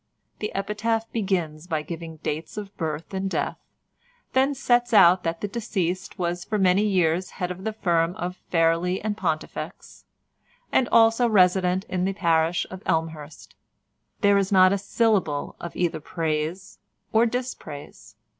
The epitaph begins by giving dates of birth and death; then sets out that the deceased was for many years head of the firm of Fairlie and Pontifex, and also resident in the parish of Elmhurst. There is not a syllable of either praise or dispraise.